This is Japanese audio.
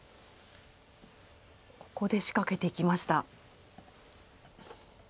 ここで仕掛けていきました。